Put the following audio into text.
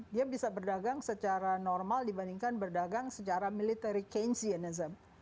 dia bisa berdagang secara normal dibandingkan berdagang secara military changem